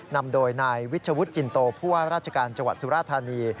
นำโดยนายวิชวุฒิจินโตผู้ว่าราชการจังหวัดสุราธานี